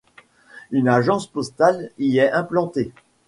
Une agence postale y est implantée.